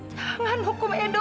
jangan hukum edo